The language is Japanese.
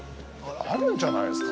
◆あるんじゃないですかね。